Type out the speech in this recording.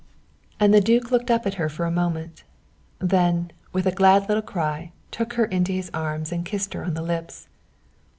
And the duke looked at her for a moment then, with a glad little cry, took her into his arms and kissed her on the lips.